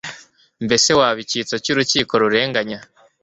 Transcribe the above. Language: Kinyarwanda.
mbese waba icyitso cy'urukiko rurenganya